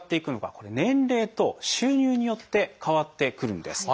これ年齢と収入によって変わってくるんです。